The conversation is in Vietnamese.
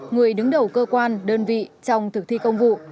người đứng đầu cơ quan đơn vị trong thực thi công vụ